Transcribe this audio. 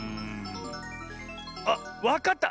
あっわかった！